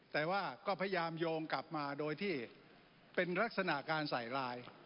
แต่ว่าก็พยายามโยงกลับมาโดยที่เป็นลักษณะการใส่ลาย